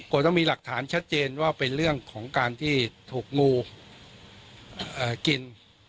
ต้องมีหลักฐานชัดเจนว่าเป็นเรื่องของการที่ถูกงูกิน